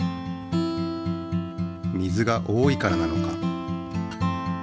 水が多いからなのか？